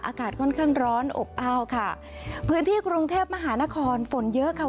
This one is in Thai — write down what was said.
อากาศค่อนข้างร้อนอบอ้าวค่ะพื้นที่กรุงเทพมหานครฝนเยอะค่ะ